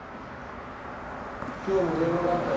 今日も電話があったよ